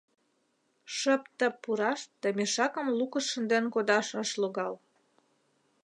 Шып-тып пураш да мешакым лукыш шынден кодаш ыш логал.